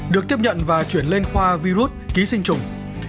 được tiếp nhận và chuyển lên khoa virus ký sinh trùng